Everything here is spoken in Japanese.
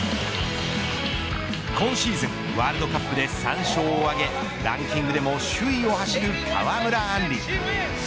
今シーズンワールドカップで３勝を挙げランキングでも首位を走る川村あんり。